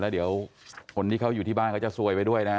แล้วเดี๋ยวคนที่เขาอยู่ที่บ้านเขาจะซวยไปด้วยนะ